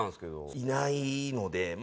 いないのでまあ。